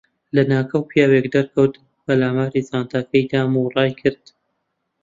لەناکاو پیاوێک دەرکەوت، پەلاماری جانتاکەی دام و ڕایکرد.